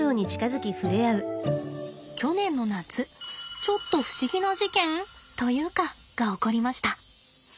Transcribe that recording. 去年の夏ちょっと不思議な事件？というかが起こりました。